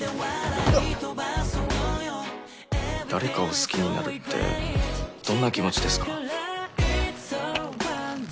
誰かを好きになるってどんな気持ちですか？